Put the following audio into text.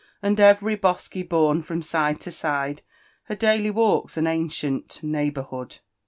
And eyery bosky bourn from sit^e to sJide^ Her daily walks, and ancient neighbourhood.